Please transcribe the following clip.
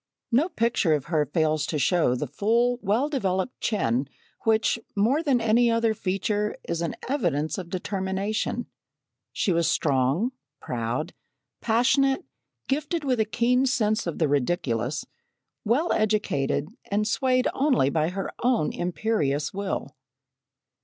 No picture of her fails to show the full, well developed chin, which, more than any other feature is an evidence of determination. She was strong, proud, passionate, gifted with a keen sense of the ridiculous, well educated, and swayed only by her own imperious will.